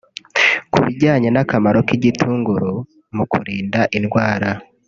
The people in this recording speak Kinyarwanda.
Ku bijyanye n’akamaro k’igitunguru mu kurinda indwara